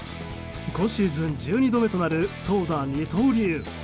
今シーズン１２度目となる投打二刀流。